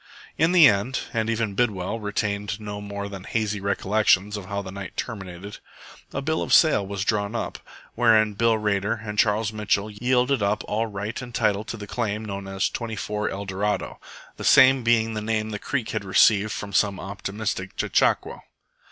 In the end, and even Bidwell retained no more than hazy recollections of how the night terminated, a bill of sale was drawn up, wherein Bill Rader and Charles Mitchell yielded up all right and title to the claim known as 24 ELDORADO, the same being the name the creek had received from some optimistic chechaquo.